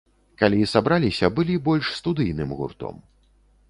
Калі сабраліся, былі больш студыйным гуртом.